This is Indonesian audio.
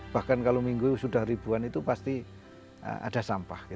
bahkan kalau minggu sudah ribuan itu pasti ada sampah